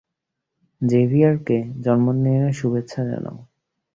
জেভিয়ারকে জন্মদিনের শুভেচ্ছা জানাও।